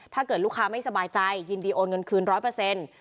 ถ้าเกิดลูกค้าไม่สบายใจยินดีโอนเงินคืน๑๐๐